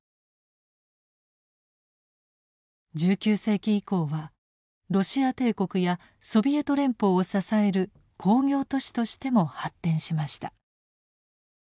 １９世紀以降はロシア帝国やソビエト連邦を支える工業都市としても発展しました。